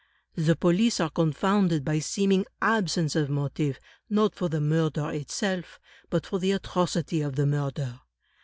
The police are confounded by seeming absence of motive; not for the murder it self, but for the atrocity of the murder.